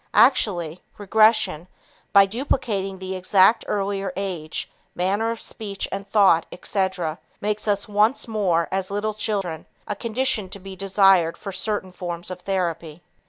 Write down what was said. Actually, regression, by duplicating the exact earlier age, manner of speech and thought, etc., makes us once more as little children, a condition to be desired for certain forms of therapy.